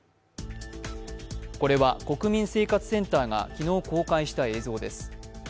これは国民生活センターが昨日公開した映像です。